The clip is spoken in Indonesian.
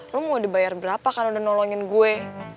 lo mau dibayar berapa karena udah nolongin gue